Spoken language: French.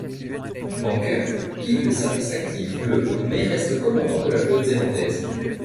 Banckert quitte le service actif le mais reste commandant de la flotte zélandaise.